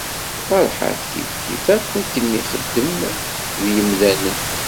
Feṛḥat kifkif akk akken ixeddem d yimdanen.